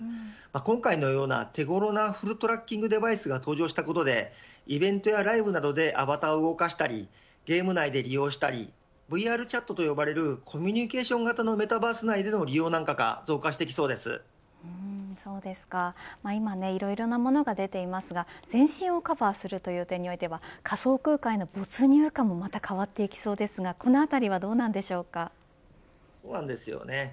今回のような手頃なフルトラッキングデバイスが登場したことでイベントやライブなどでアバターを動かしたりゲーム内で利用したりＶＲチャットと呼ばれるコミュニケーション形のメタバース内での利用などが今、いろいろなものが出ていますが全身をカバーするという点においては仮想空間への没入感もまた変わっていきそうですがこのあたりはそうなんですよね。